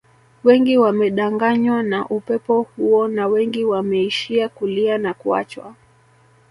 Wengi wamedanganywa na upendo huo na wengi wameishia kulia na kuachwa